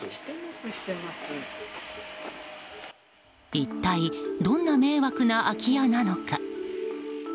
一体どんな迷惑な空き家なのか。